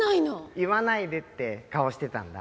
言わないでって顔してたんだ。